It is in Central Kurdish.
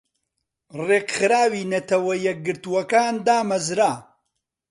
رێکخراوی نەتەوە یەکگرتوەکان دامەزرا